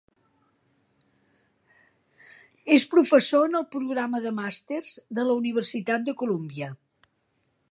És professor en el programa de màsters de la Universitat de Colúmbia.